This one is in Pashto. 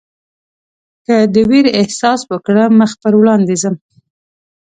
که د وېرې احساس وکړم مخ پر وړاندې ځم.